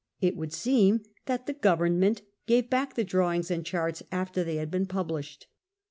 It would seem that the Govern ment gave back the drawings and charts after they had been published.